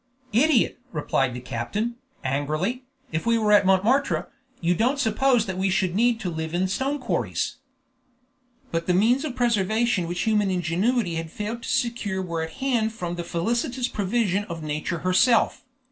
"Idiot!" replied the captain, angrily, "if we were at Montmartre, you don't suppose that we should need to live in stone quarries?" But the means of preservation which human ingenuity had failed to secure were at hand from the felicitous provision of Nature herself.